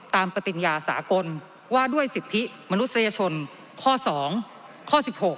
ตามประติญญาสากลว่าด้วยสิทธิมนุษยชนข๒ข๑๖